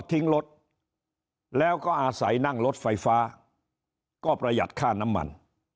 ทิ้งรถแล้วก็อาศัยนั่งรถไฟฟ้าก็ประหยัดค่าน้ำมัน